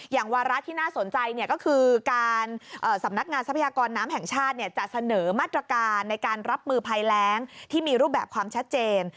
วาระที่น่าสนใจก็คือการสำนักงานทรัพยากรน้ำแห่งชาติจะเสนอมาตรการในการรับมือภัยแรงที่มีรูปแบบความชัดเจน